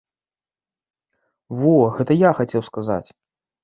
Во, гэта я хацеў сказаць.